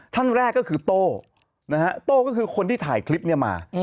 ท่านแรกก็คือโต้นะฮะโต้ก็คือคนที่ถ่ายคลิปนี้มา